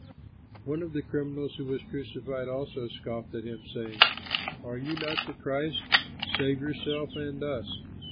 One of the criminals who was crucified also scoffed at him, saying, "Are you not the Christ? Save yourself and us!"